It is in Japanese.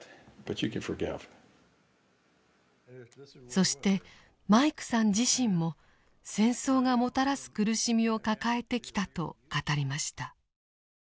そしてマイクさん自身も戦争がもたらす苦しみを抱えてきたと語りました。